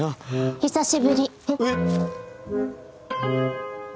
・久しぶり・え？